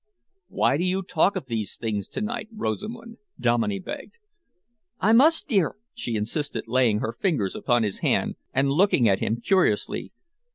"Why do you talk of these things to night, Rosamund," Dominey begged. "I must, dear," she insisted, laying her fingers upon his hand and looking at him curiously.